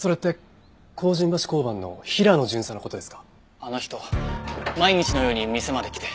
あの人毎日のように店まで来て。